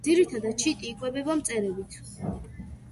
ძირითადად ჩიტი იკვებება მწერებით.